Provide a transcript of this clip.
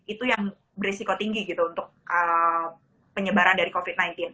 itu yang berisiko tinggi gitu untuk penyebaran dari covid sembilan belas